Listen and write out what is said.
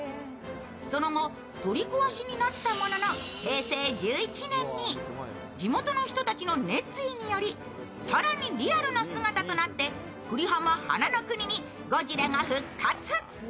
その後、取り壊しになったものの、平成１１年に地元の人たちの熱意により更にリアルな姿となってくりはま花の国にゴジラが復活。